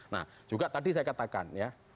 nah juga tadi saya katakan ya